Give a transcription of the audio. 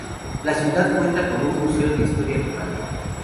La ciudad cuenta con un museo de historia local.